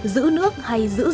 giữ nước hay giữ rừng